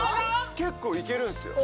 結構いけるんですよ。